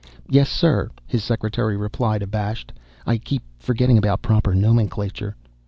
"Yes, sir," his secretary replied, abashed. "I keep forgetting about proper nomenclature."